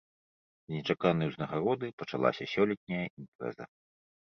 З нечаканай узнагароды пачалася сёлетняя імпрэза.